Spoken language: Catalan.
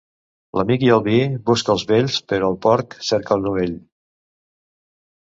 L'amic i el vi, busca'ls vells; però el porc, cerca'l novell.